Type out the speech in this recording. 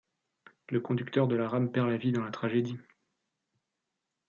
Le conducteur de la rame perd la vie dans la tragédie.